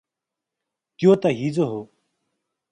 त्यो त हिजो हो।